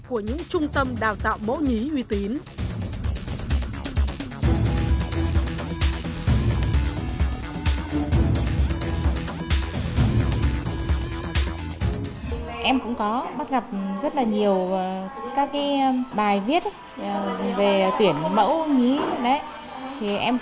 của những trung tâm đào tạo mẫu nhí uy tín